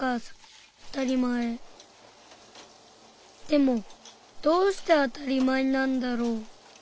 でもどうしてあたりまえなんだろう？